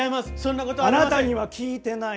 あなたには聞いてない。